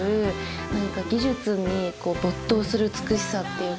何か技術にこう没頭する美しさっていうか。